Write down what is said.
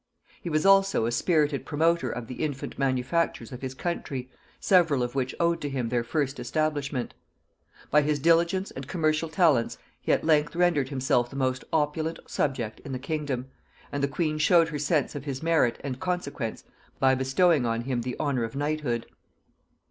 He was also a spirited promoter of the infant manufactures of his country, several of which owed to him their first establishment. By his diligence and commercial talents he at length rendered himself the most opulent subject in the kingdom, and the queen showed her sense of his merit and consequence by bestowing on him the honor of knighthood.